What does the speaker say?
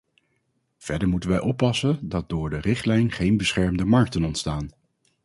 Verder moeten wij oppassen dat door de richtlijn geen beschermde markten ontstaan.